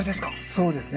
そうですね。